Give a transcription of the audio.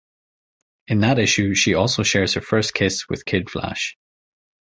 In that issue she also shares her first kiss with Kid Flash.